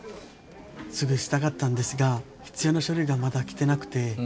すぐしたかったんですが必要な書類がまだ来てなくて。